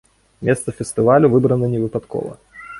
Месца фестывалю выбрана невыпадкова.